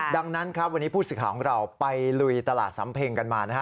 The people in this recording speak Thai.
ดังนั้นครับวันนี้ผู้สื่อข่าวของเราไปลุยตลาดสำเพ็งกันมานะฮะ